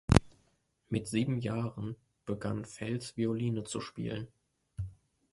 Mit sieben Jahre begann Feltz Violine zu spielen.